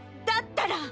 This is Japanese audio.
だったら！！